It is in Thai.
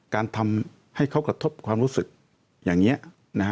การทำให้เขากระทบความรู้สึกอย่างนี้นะฮะ